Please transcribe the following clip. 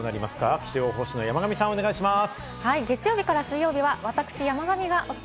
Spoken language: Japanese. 気象予報士の山神さん、お願いします。